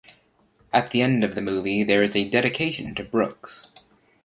At the end of the movie there is a dedication to Brooks.